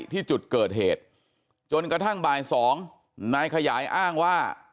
ที่จุดเกิดเหตุจนกระทั่งบ่าย๒นายขยายอ้างว่า